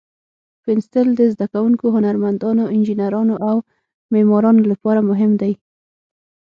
پنسل د زده کوونکو، هنرمندانو، انجینرانو، او معمارانو لپاره مهم دی.